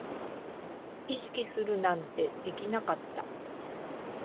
意識するなんてできなかった